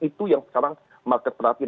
itu yang sekarang market teratnya